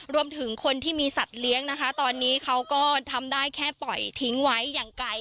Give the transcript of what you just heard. รวมถึงคนที่มีสัตว์เลี้ยงนะคะตอนนี้เขาก็ทำได้แค่ปล่อยทิ้งไว้อย่างไกล